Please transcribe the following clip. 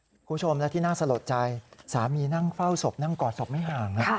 คุณผู้ชมและที่น่าสลดใจสามีนั่งเฝ้าศพนั่งกอดศพไม่ห่างนะ